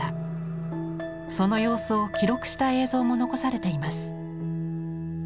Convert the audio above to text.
その様子を記録した映像も残されています。